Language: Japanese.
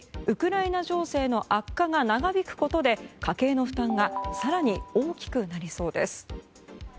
ウクライナ情勢の悪化が長引くことで家計の負担が更に大きくなりそうです。